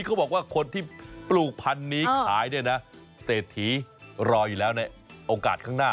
เขาบอกว่าคนที่ปลูกพันธุ์นี้ขายเนี่ยนะเศรษฐีรออยู่แล้วในโอกาสข้างหน้า